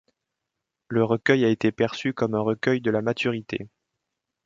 Le recueil a été perçu comme un recueil de la maturité.